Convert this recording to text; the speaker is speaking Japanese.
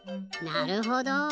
なるほど。